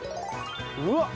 うわっ。